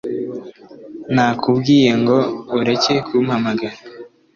Nakubwiye ngo ureke kumpamagara